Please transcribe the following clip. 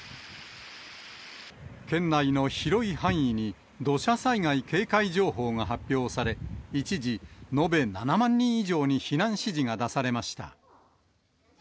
県内の広い範囲に土砂災害警戒情報が発表され、一時、延べ７万人以上に避難指示が出されました。